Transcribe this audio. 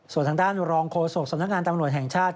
ส่วนทางด้านรองโฆษกสำนักงานตำรวจแห่งชาติ